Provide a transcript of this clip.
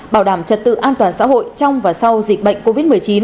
bảo đảm trật tự an toàn xã hội trong và sau dịch bệnh covid một mươi chín